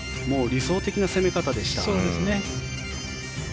理想的な攻め方でした。